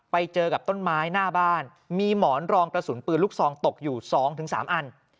ไปเจอกับต้นไม้หน้าบ้านมีหมอนรองกระสุนปืนลูกซองตกอยู่๒๓อัน